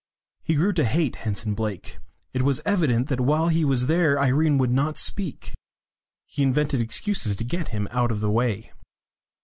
He grew to hate Henson Blake; it was evident that while he was there Irene would not speak. He invented excuses to get him out of the way.